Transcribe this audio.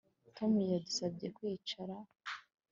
Tom yadusabye kwicara